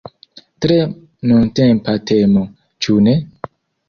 Tre nuntempa temo, ĉu ne?